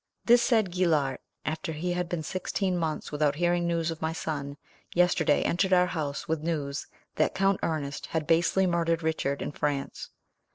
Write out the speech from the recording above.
This said Guillart, after we had been sixteen months without hearing news of my son, yesterday entered our house with news that Count Ernest had basely murdered Richard in France.